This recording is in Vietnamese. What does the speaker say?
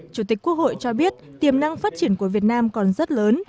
chủ tịch quốc hội cho biết tiềm năng phát triển của việt nam còn rất lớn